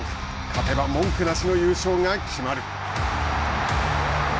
勝てば、文句なしの優勝が決まる。